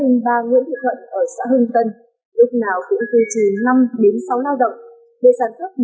những ngày này gia đình bà nguyễn thị thuận ở xã hưng tân